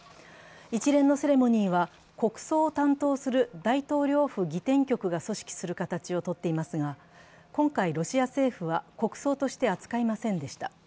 一連のセレモニーは、国葬を担当する大統領府儀典局が組織する形をとっていますが、今回、ロシア政府は国葬として扱いませんでした。